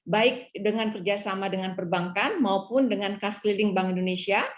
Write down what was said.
baik dengan kerjasama dengan perbankan maupun dengan kas keliling bank indonesia